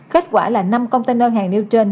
kết quả là năm container hàng nêu trên